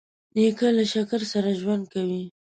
نیکه له شکر سره ژوند کوي.